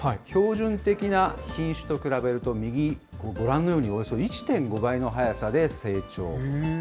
標準的な品種と比べると、右、ご覧のようにおよそ１．５倍の速さで成長。